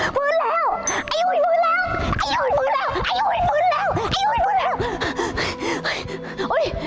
ฟื้นแล้วไอ้อุ้ยฟื้นแล้วไอ้อุ้ยฟื้นแล้วไอ้อุ้ยฟื้นแล้ว